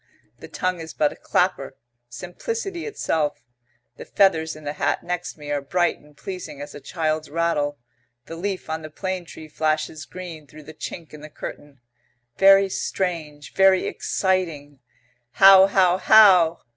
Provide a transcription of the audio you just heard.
The tongue is but a clapper. Simplicity itself. The feathers in the hat next me are bright and pleasing as a child's rattle. The leaf on the plane tree flashes green through the chink in the curtain. Very strange, very exciting. "How how how!"